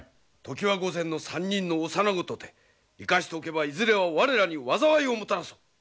常磐御前の３人の幼子とて生かしておけばいずれは我らに災いをもたらそう。